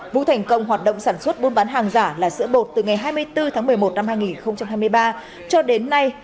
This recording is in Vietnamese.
vũ thành công hoạt động sản xuất buôn bán hàng giả là sữa bột từ ngày hai mươi bốn tháng một mươi một năm hai nghìn hai mươi ba cho đến nay